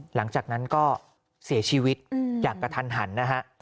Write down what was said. หลังจากนั้นก็เสียชีวิตอย่างกระทันหันนะฮะ